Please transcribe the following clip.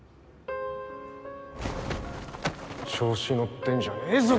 調子乗ってんじゃねえぞ